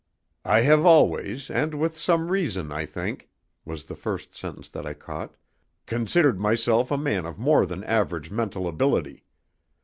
"I have always, and with some reason, I think," was the first sentence that I caught, "considered myself a man of more than average mental ability.